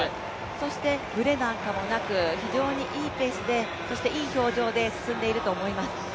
そして、ブレなんかもなく非常にいいペースでそしていい表情で進んでいると思います。